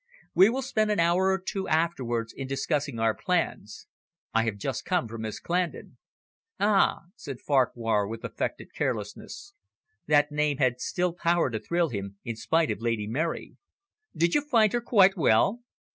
We will spend an hour or two afterwards in discussing our plans. I have just come from Miss Clandon." "Ah," said Farquhar, with affected carelessness that name had still power to thrill him in spite of Lady Mary. "Did you find her quite well?"